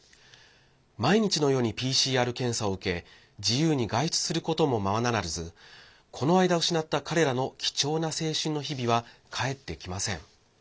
毎日のようにＰＣＲ検査を受け自由に外出することもままならずこの間、失った彼らの貴重な青春の日々は返ってきません。